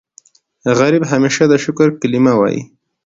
غریب همیشه د شکر کلمه وايي